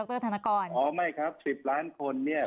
รธนกรอ๋อไม่ครับสิบล้านคนเนี่ย